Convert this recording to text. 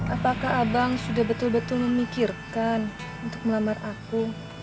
apakah abang sudah betul betul memikirkan untuk melamar aku